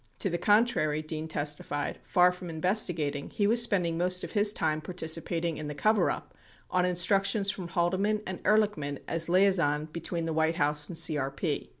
29 To the contrary, Dean testified, far from investigating, he was spending most of his time participating in the coverup on instructions from Haldeman and Ehrlichman as liaison between the White House and CRP.